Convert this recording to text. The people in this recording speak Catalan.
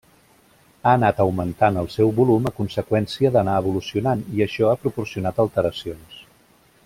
Ha anat augmentant el seu volum, a conseqüència d’anar evolucionant, i això ha proporcionat alteracions.